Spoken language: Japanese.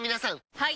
はい！